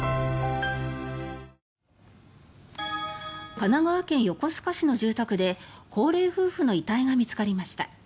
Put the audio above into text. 神奈川県横須賀市の住宅で高齢夫婦の遺体が見つかりました。